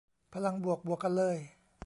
พลังบวก บวกกันเลย